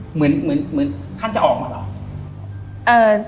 เหมือนท่านจะออกมาเหรอ